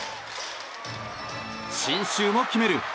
信州も決める。